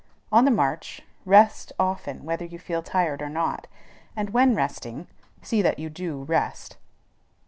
On the march, rest often whether you feel tired or not; and, when resting, see that you do rest.